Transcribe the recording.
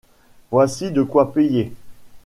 Voici de quoi payer.